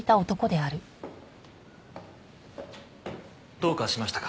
どうかしましたか？